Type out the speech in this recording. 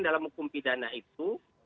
dalam hukum pidana itu